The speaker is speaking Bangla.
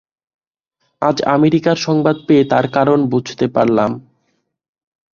আজ আমেরিকার সংবাদ পেয়ে তার কারণ বুঝতে পারলাম।